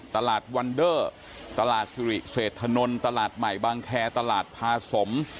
ตลาดวันเดอร์ตลาดสุริเศรษฐนลตลาดใหม่บางแคร์ตลาดพาสม